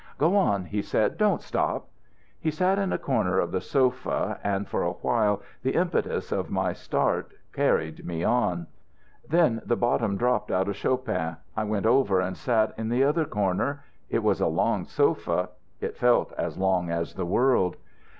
"'Go on,' he said. 'Don't stop.' He sat in a corner of the sofa, and for a while the impetus of my start carried me on. Then the bottom dropped out of Chopin. I went over and sat in the other corner. It was a long sofa; it felt as long as the world.